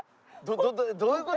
どういう事？